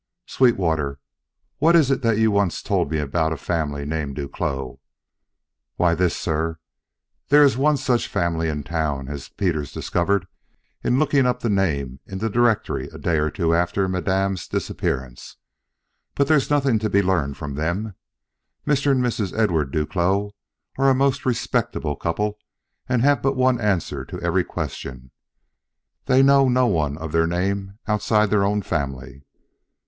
"Sweetwater, what is that you once told me about a family named Duclos?" "Why, this, sir: There is one such family in town, as Peters discovered in looking up the name in the directory a day or two after Madame's disappearance. But there's nothing to be learned from them. Mr. and Mrs. Edward Duclos are a most respectable couple and have but one answer to every question. They know no one of their name outside their own family.